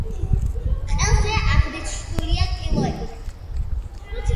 ყელზე აღნიშნულია კილოები.